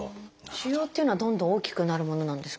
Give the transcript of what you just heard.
腫瘍っていうのはどんどん大きくなるものなんですか？